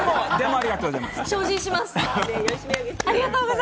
ありがとうございます。